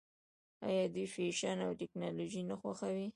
آیا دوی فیشن او ټیکنالوژي نه خوښوي؟